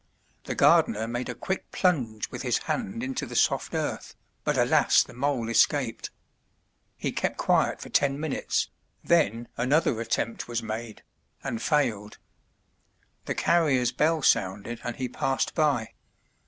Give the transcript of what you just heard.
The gardener made a quick plunge with his hand into the soft earth, but alas! the mole escaped. He kept quiet for ten minutes, then another attempt was made, and failed. The carrier's bell sounded and he passed by.